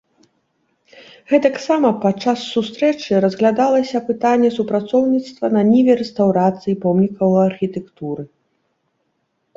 Гэтаксама падчас сустрэчы разглядалася пытанне супрацоўніцтва на ніве рэстаўрацыі помнікаў архітэктуры.